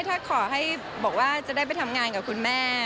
ถ้าขอให้บอกว่าจะได้ไปทำงานกับคุณแม่